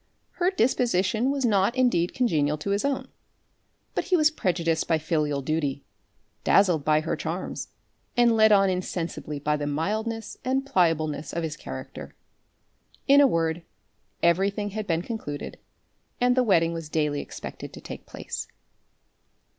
Her disposition was not indeed congenial to his own. But he was prejudiced by filial duty, dazzled by her charms, and led on insensibly by the mildness and pliableness of his character. In a word, every thing had been concluded, and the wedding was daily expected to take place.